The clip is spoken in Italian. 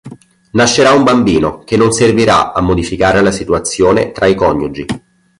Nascerà un bambino che non servirà a modificare la situazione tra i coniugi.